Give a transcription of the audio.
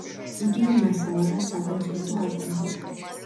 იგივე მასალა, რაც საკონცერტო ალბომზე.